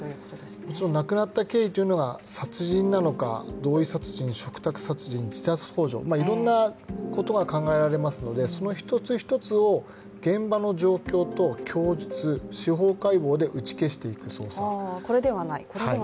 亡くなった経緯というのが殺人なのか、同意殺人、嘱託殺人、自殺ほう助、いろんなことが考えられますのでその一つ一つを現場の状況と供述司法解剖で打ち消していく捜査。